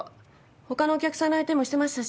他のお客さんの相手もしてましたし。